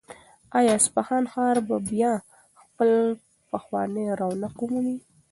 آیا د اصفهان ښار به بیا خپل پخوانی رونق ومومي؟